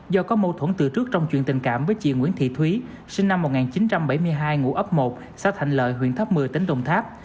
do có mâu thuẫn từ trước trong chuyện tình cảm với chị nguyễn thị thúy sinh năm một nghìn chín trăm bảy mươi hai ngụ ấp một xã thạnh lợi huyện tháp một mươi tỉnh đồng tháp